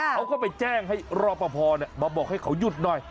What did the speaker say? เขาก็ไปแจ้งให้รอปภมาบอกให้เขาหยุดหน่อย